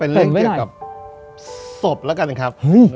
เรื่องเกี่ยวกับศพแล้วกันครับ